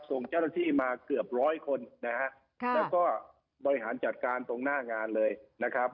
ส่งเจ้าหน้าที่มาเกือบร้อยคนนะฮะแล้วก็บริหารจัดการตรงหน้างานเลยนะครับ